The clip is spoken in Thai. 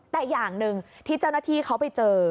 แต่อย่างหนึ่งที่เจ้าหน้าที่เขาไปเจอ